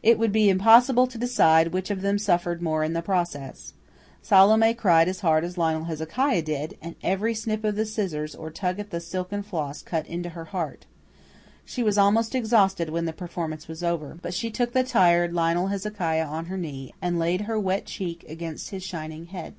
It would be impossible to decide which of them suffered more in the process. Salome cried as hard as Lionel Hezekiah did, and every snip of the scissors or tug at the silken floss cut into her heart. She was almost exhausted when the performance was over; but she took the tired Lionel Hezekiah on her knee, and laid her wet cheek against his shining head.